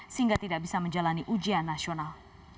sehingga tidak bisa menjalani ujian nasional